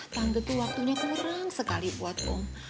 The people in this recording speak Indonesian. tangga tuh waktunya kurang sekali buat om